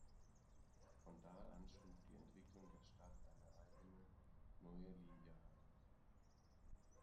Von da an schlug die Entwicklung der Stadt eine eigene, neue Linie ein.